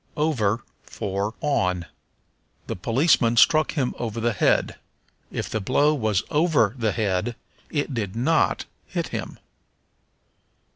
Over for On. "The policeman struck him over the head." If the blow was over the head it did not hit him.